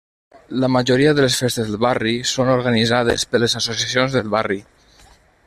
La majoria de festes del barri són organitzades per les associacions del barri.